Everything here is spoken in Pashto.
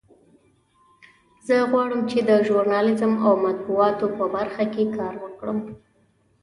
زه غواړم چې د ژورنالیزم او مطبوعاتو په برخه کې کار وکړم